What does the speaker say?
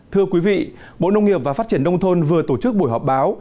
thưa quý vị bộ nông nghiệp và phát triển nông thôn vừa tổ chức buổi họp báo